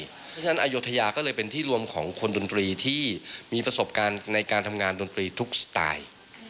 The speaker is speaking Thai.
เพราะฉะนั้นอายุทยาก็เลยเป็นที่รวมของคนดนตรีที่มีประสบการณ์ในการทำงานดนตรีทุกสไตล์